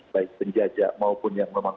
baik penjajah maupun yang memang